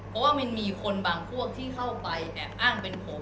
เพราะว่ามันมีคนบางพวกที่เข้าไปแอบอ้างเป็นผม